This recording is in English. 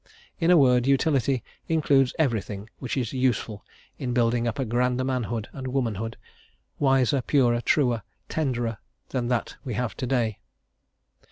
In a word, utility includes everything which is useful in building up a grander manhood and womanhood, wiser, purer, truer, tenderer than that we have to day.